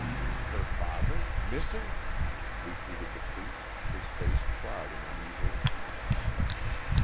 "Her father missing?" repeated the Priest, his face clouding uneasily.